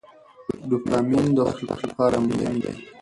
ډوپامین د خوځښت لپاره مهم دی.